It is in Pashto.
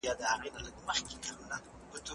د بریښنا سپما د چاپیریال لپاره ګټوره ده.